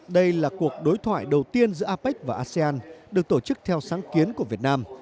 đây là cuộc đối thoại đầu tiên giữa apec và asean được tổ chức theo sáng kiến của việt nam